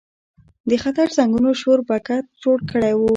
د خطر زنګونو شور بګت جوړ کړی و.